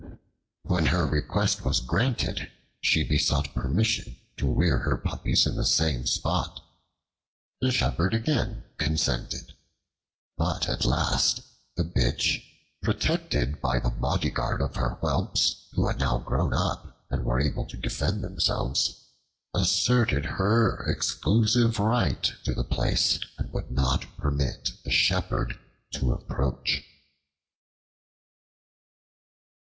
When her request was granted, she besought permission to rear her puppies in the same spot. The shepherd again consented. But at last the Bitch, protected by the bodyguard of her Whelps, who had now grown up and were able to defend themselves, asserted her exclusive right to the place and would not permit the shepherd to approach.